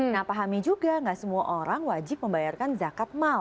nah pahami juga nggak semua orang wajib membayarkan zakat mal